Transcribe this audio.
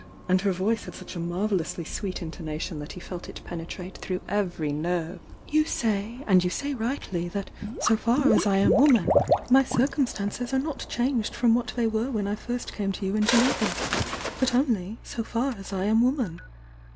and her voice had such a marveUousIy sweet intonation that he felt it I ' I 878 THE YOUNG DIANA I !| penetrate througlj every nerve— "You say, and you ■ay rightly, that 'so far as I am woman'— my circum Btances are not changed from what they were when I first came to you in Geneva. But only 'so far aa I am woman.'